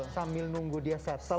sambil nunggu dia setel